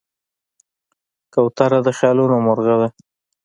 کوتره د خیالونو مرغه ده.